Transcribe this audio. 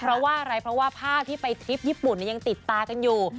เพราะว่าอะไรเพราะว่าภาพที่ไปทริปญี่ปุ่นยังติดตากันอยู่